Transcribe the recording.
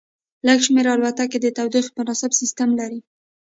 لږ شمیر الوتکې د تودوخې مناسب سیستم لري